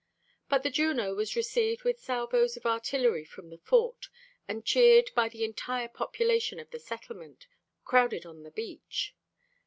But the Juno was received with salvos of artillery from the fort, and cheered by the entire population of the settlement, crowded on the beach.